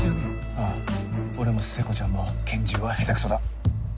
ああ俺も聖子ちゃんも拳銃は下手クソだ。